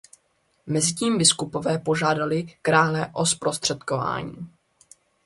Mezitím biskupové požádali krále o zprostředkování.